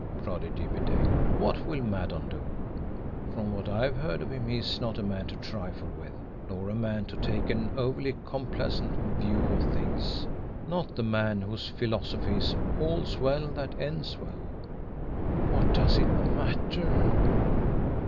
prodded Jimmie Dale. "What will Maddon do? From what I've heard of him, he's not a man to trifle with, nor a man to take an overly complacent view of things not the man whose philosophy is 'all's well that ends well.'" "What does it matter?"